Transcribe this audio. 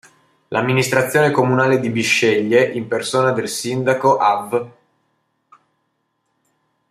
L'Amministrazione Comunale di Bisceglie in persona del Sindaco Avv.